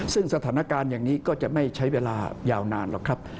ซึ่งสถานการณ์อย่างนี้ก็จะไม่ใช้เวลายาวนานหรอกครับ